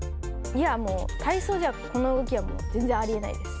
もう体操じゃ、この動きは全然ありえないです。